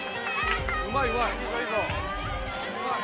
うまいうまい！